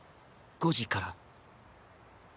５時から。